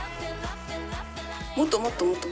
もっともっともっと。